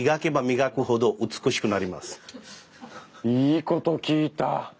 いいこと聞いた！